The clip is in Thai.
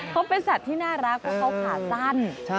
เขาเป็นสัตว์ที่น่ารักเพราะเขาขาสั้น